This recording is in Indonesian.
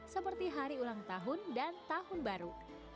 seperti hari ulang tahun dan tahun baru